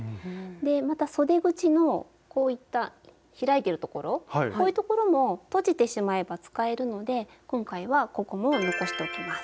でまたそで口のこういった開いてるところこういうところもとじてしまえば使えるので今回はここも残しておきます。